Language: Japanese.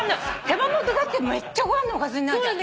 手羽元だってめっちゃご飯のおかずになるじゃん。